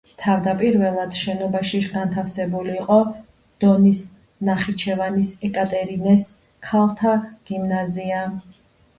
თავდაპირველად შენობაში განთავსებული იყო დონის ნახიჩევანის ეკატერინეს ქალთა გიმნაზია.